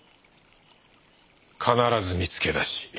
必ず見つけ出し